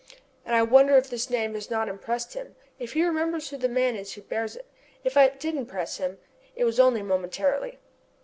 And I wonder if this name has not impressed him, if he remembers who the man is who bears it. If it did impress him, it was only momentarily.